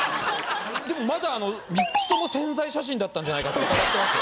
でもまだ３つとも宣材写真だったんじゃないかって疑ってます。